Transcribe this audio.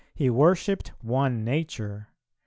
. he worshipped one Nature .